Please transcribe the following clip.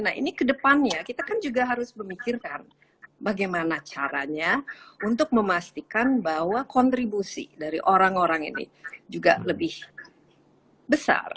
nah ini kedepannya kita kan juga harus memikirkan bagaimana caranya untuk memastikan bahwa kontribusi dari orang orang ini juga lebih besar